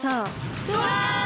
うわ！